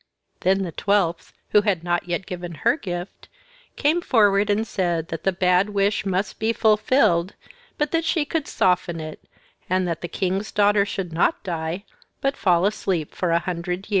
Then the twelfth, who had not yet given her gift, came forward and said that the bad wish must be fulfilled, but that she could soften it, and that the king's daughter should not die, but fall asleep for a hundred years.